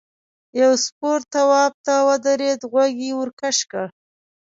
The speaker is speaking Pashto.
یو سپور تواب ته ودرېد غوږ یې ورکش کړ.